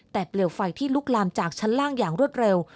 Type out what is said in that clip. แต่เปลี่ยวไฟที่ลุกลามจากชั้นล่างอย่างรวดเร็ว